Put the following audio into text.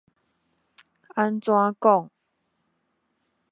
按怎講